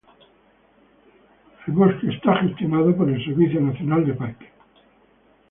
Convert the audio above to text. El bosque está gestionado por el Servicio Nacional de Parques.